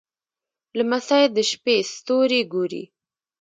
لمسی د شپې ستوري ګوري.